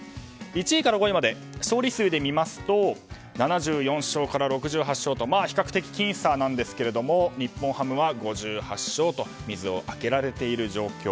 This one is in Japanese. １位から５位まで勝利数で見ると７４勝から６８勝と比較的僅差なんですが日本ハムは５８勝と水をあけられている状況。